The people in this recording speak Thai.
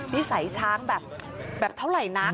นิสัยช้างแบบเท่าไหร่นัก